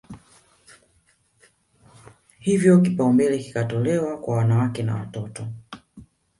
Hivyo kipaumbele kikatolewa kwa wanawake na watoto